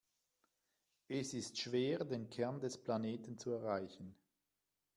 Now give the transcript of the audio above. Es ist schwer, den Kern des Planeten zu erreichen.